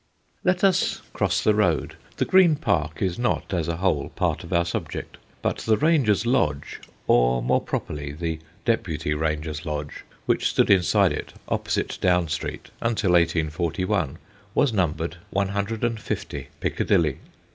Let us cross the road. The Green Park is not, as a whole, part of our subject, but the Ranger's Lodge, or more properly the Deputy Ranger's Lodge, which stood inside it, opposite Down Street, until 1841, was numbered 150 Piccadilly.